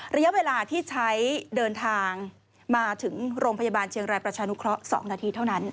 ระยะเวลาที่ใช้เดินทางมาถึงโรงพยาบาลเชียงรายประชานุเคราะห์๒นาทีเท่านั้น